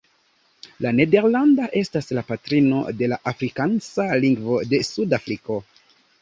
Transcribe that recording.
La nederlanda estas la patrino de la afrikansa lingvo de Sud-Afriko.